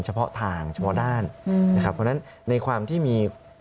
เฉพาะทางเฉพาะด้านนะครับเพราะฉะนั้นในความที่มี